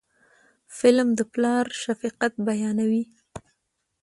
فلم د پلار شفقت بیانوي